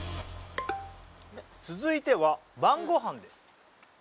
「続いては晩ご飯です！！」